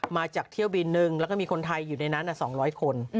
มาจากเที่ยวบินนึงแล้วก็มีคนไทยอยู่ในนั้น๒๐๐คน